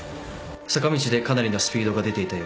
坂道でかなりのスピードが出ていたようです。